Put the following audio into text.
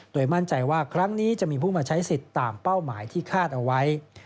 โดยมั่นใจว่าครั้งนี้จะมีผู้มาใช้สิทธิ์ตามเป้าหมายที่คาดเอาไว้